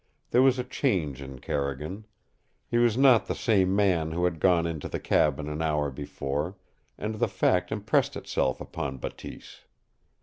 There was a change in Carrigan. He was not the same man who had gone into the cabin an hour before, and the fact impressed itself upon Bateese.